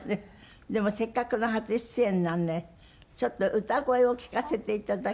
でもせっかくの初出演なのでちょっと歌声を聴かせていただけますか？